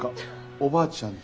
おばあちゃんち？